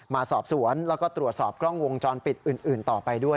มาสอบสวนแล้วก็ตรวจสอบกล้องวงจรปิดอื่นต่อไปด้วย